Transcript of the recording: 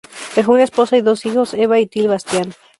Dejó una esposa y dos hijos, Eva y Till Bastian.